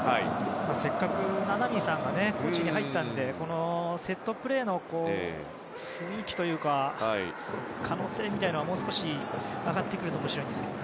せっかく名波さんがコーチに入ったのでセットプレーの雰囲気というか可能性というのはもう少し上がってくると面白いんですけど。